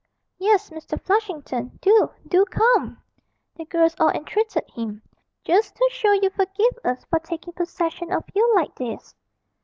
'Yes, Mr. Flushington, do do come,' the girls all entreated him, 'just to show you forgive us for taking possession of you like this.'